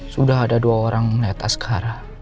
sudah ada dua orang melihat askara